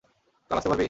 কাল আসতে পারবি?